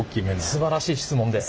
すばらしい質問で。